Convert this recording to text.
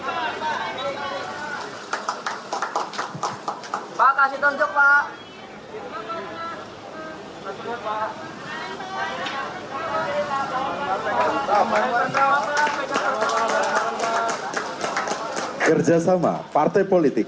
semuanya dinamatkan penandatangan kerja sama politik